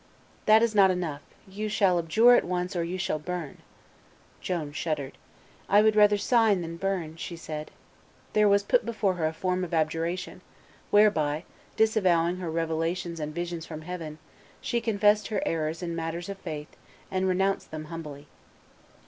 "That is not enough: you shall abjure at once or you shall burn." Joan shuddered. "I would rather sign than burn," she said. There was put before her a form of abjuration, whereby, disavowing her revelations and visions from heaven, she confessed her errors in matters of faith, and renounced them humbly.